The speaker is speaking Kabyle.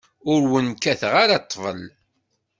Ur wen-kkateɣ ara ṭṭbel.